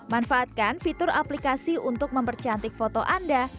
manfaatkan fitur aplikasi untuk mempercantik foto anda